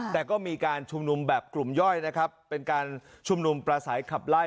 แต่ก็มีการชุมนุมแบบกลุ่มย่อยนะครับเป็นการชุมนุมประสัยขับไล่